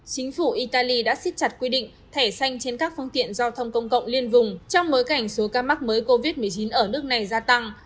chính phủ italy đã xiết chặt quy định thẻ xanh trên các phương tiện giao thông công cộng liên vùng trong bối cảnh số ca mắc mới covid một mươi chín ở nước này gia tăng